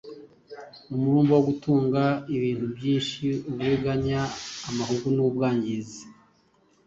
umururumba wo gutunga ibintu byinshi, uburiganya, amahugu n’ubwangizi.